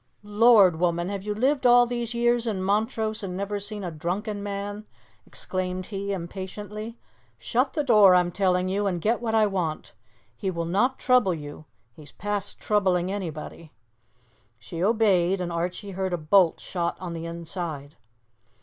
"Lord! woman, have you lived all these years in Montrose and never seen a drunken man?" exclaimed he impatiently. "Shut the door, I'm telling you, and get what I want. He will not trouble you. He's past troubling anybody." She obeyed, and Archie heard a bolt shot on the inside.